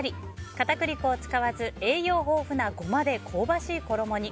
片栗粉を使わず栄養豊富なゴマで香ばしい衣に。